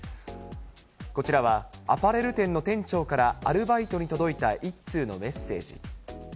こちらはアパレル店の店長からアルバイトに届いた一通のメッセージ。